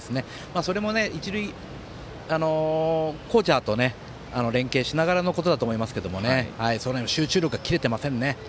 それも、一塁コーチャーと連携しながらのことだと思いますけどその辺も集中力が切れていません。